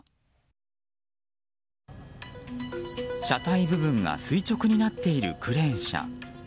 車体部分が垂直になっているクレーン車。